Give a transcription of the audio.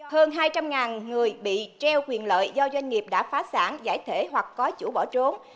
hơn hai trăm linh người bị treo quyền lợi do doanh nghiệp đã phá sản giải thể hoặc có chủ bỏ trốn